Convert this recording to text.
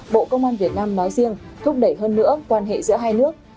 bộ công an việt nam nói riêng thúc đẩy hơn nữa quan hệ giữa hai nước